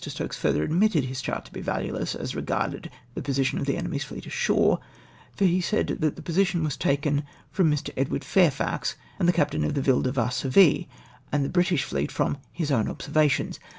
Stokes fLuther admitted his chart to be valueless, as regarded the position of the enemy's fleet ashore, for he said that position was taken '•'■from Mr. Edward Fairfax and the cajjtain of the Ville de Varsovie., and the British fleet from " his oion observations.'"